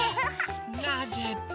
なぜって？